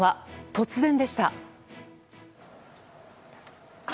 突然でした。